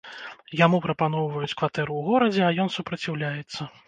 Яму прапаноўваюць кватэру ў горадзе, а ён супраціўляецца.